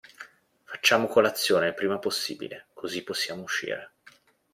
Facciamo colazione il prima possibile, così possiamo uscire.